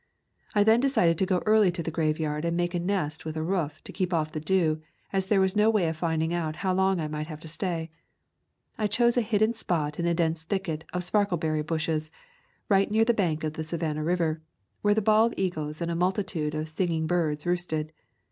I then decided to go early to the grave yard and make a nest with a roof to keep off the dew, as there was no way of finding out how long I might have to stay. I chose a hidden spot in a dense thicket of sparkleberry bushes, near the right bank of the Savannah River, where the bald eagles and a multitude of sing ing birds roosted.